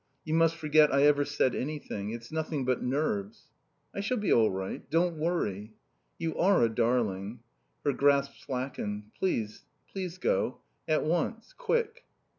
You must forget I ever said anything. It's nothing but nerves." "I shall be all right. Don't worry." "You are a darling." Her grasp slackened. "Please please go. At once. Quick."